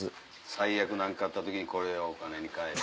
最悪何かあった時にこれをお金に換える。